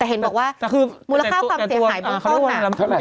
แต่เห็นบอกว่ามูลค่าความเสียหายบนโต๊ะหนัก